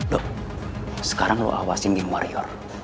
loh sekarang lu awasin geng warior